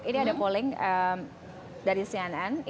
ini ada polling dari cnn